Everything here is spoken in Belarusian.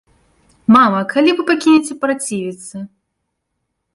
Мама, калі вы пакінеце працівіцца?